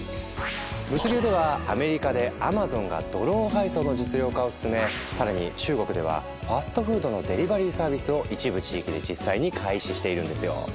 物流ではアメリカでＡｍａｚｏｎがドローン配送の実用化を進め更に中国ではファストフードのデリバリーサービスを一部地域で実際に開始しているんですよ。